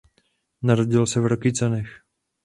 Narodil se v Rokycanech.